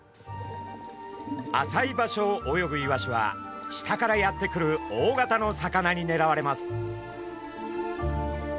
浅い場所を泳ぐイワシは下からやって来る大型の魚にねらわれます。